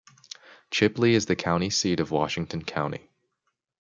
Chipley is the county seat of Washington County.